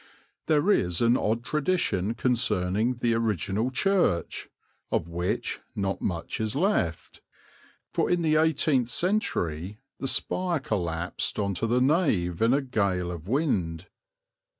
There is an odd tradition concerning the original church, of which not much is left, for in the eighteenth century the spire collapsed on to the nave in a gale of wind.